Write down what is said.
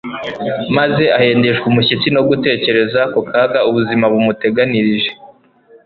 maze ahindishwa umushyitsi no gutekereza ku kaga ubuzima bumuteganirije.